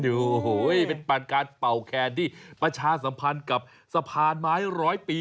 โอ้โหเป็นการเป่าแคนที่ประชาสัมพันธ์กับสะพานไม้ร้อยปี